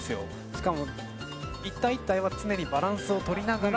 しかも１体１体は常にバランスを取りながら。